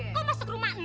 kok masuk rumah ini sih